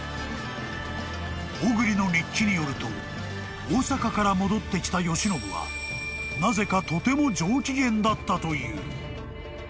［小栗の日記によると大坂から戻ってきた慶喜はなぜかとても上機嫌だったという］